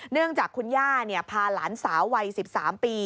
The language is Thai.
เนื่องจากคุณย่าพาหลานสาววัย๑๓ปี